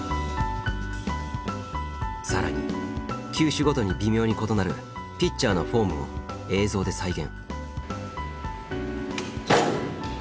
更に球種ごとに微妙に異なるピッチャーのフォームを映像で再現。